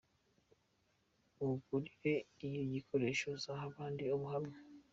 Igurire yo igikoresho uzaha abandi ubuhamya.